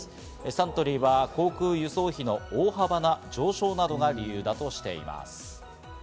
サントリーは航空輸送費の大幅な上昇などが理由だとしています。